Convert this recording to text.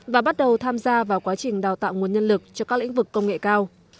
và bắt đầu tham gia vào quá trình đào tạo nguồn nhân lực cho các lĩnh vực công nghệ cao